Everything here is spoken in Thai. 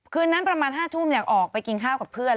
คืนนั้นประมาณ๕ทุ่มออกไปกินข้าวกับเพื่อน